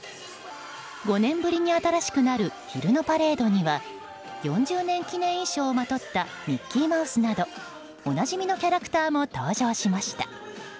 ５年ぶりに新しくなる昼のパレードには４０年記念衣装をまとったミッキーマウスなどおなじみのキャラクターも登場しました。